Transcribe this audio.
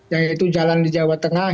yaitu jalan di jawa tengah